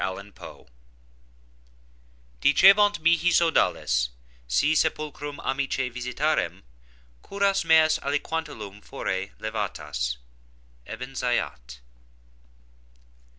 BERENICE Dicebant mihi sodales, si sepulchrum amicae visitarem, curas meas aliquar tulum fore levatas.—Ebn Zaiat.